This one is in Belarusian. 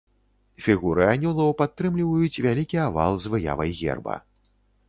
Фігуры анёлаў падтрымліваюць вялікі авал з выявай герба.